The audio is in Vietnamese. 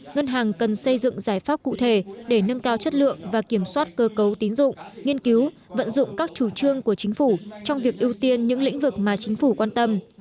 ngân hàng cần xây dựng giải pháp cụ thể để nâng cao chất lượng và kiểm soát cơ cấu tín dụng nghiên cứu vận dụng các chủ trương của chính phủ trong việc ưu tiên những lĩnh vực mà chính phủ quan tâm